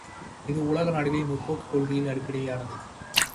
இது உலக நாடுகளின் முற்போக்குக் கொள்கைகளில் அடிப்படையானது.